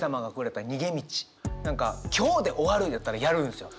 何か今日で終わるんやったらやるんですよ。